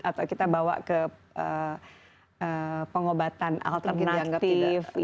atau kita bawa ke pengobatan alternatif